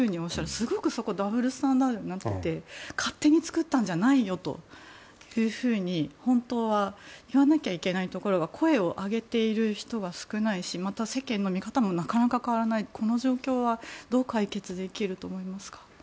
すごくそこダブルスタンダードで勝手に作ったんじゃないよというふうに本当は言わなきゃいけないところが声を上げている人が少ないし世間の見方もなかなか変わらないこの状況はどう解決できると思いますか？